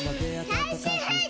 最終兵器！